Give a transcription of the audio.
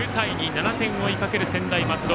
７点を追いかける専大松戸。